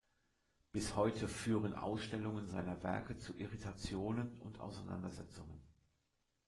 Bis heute führen Ausstellungen seiner Werke zu Irritationen und Auseinandersetzungen.